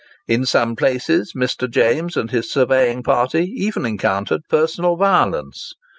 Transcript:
In some places Mr. James and his surveying party even encountered personal violence.